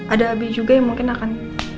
ada abi juga yang mungkin akan